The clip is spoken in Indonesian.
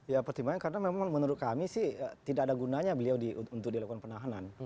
ya pertimbangannya karena memang menurut kami sih tidak ada gunanya beliau untuk dilakukan penahanan